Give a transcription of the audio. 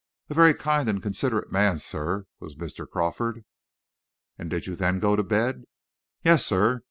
A very kind and considerate man, sir, was Mr. Crawford." "And did you then go to bed?" "Yes, sir.